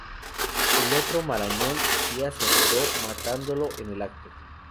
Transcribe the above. El otro marañón sí acertó, matándolo en el acto.